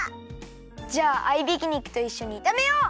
じゃあ合いびき肉といっしょにいためよう！